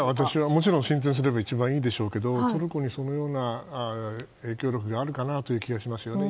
もちろん進展すれば一番いいでしょうがトルコにそのような影響力があるかなという気がしますね。